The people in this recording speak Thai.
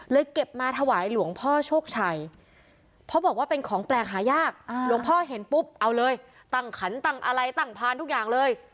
เก็บมาถวายหลวงพ่อโชคชัยเพราะบอกว่าเป็นของแปลกหายากหลวงพ่อเห็นปุ๊บเอาเลยตั้งขันตั้งอะไรตั้งพานทุกอย่างเลย